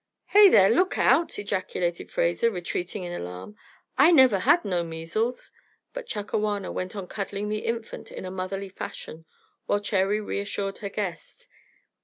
"Hey there! Look out!" ejaculated Fraser, retreating in alarm. "I never had no measles." But Chakawana went on cuddling the infant in a motherly fashion while Cherry reassured her guests.